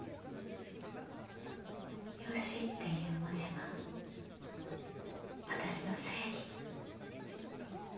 義っていう文字は私の正義。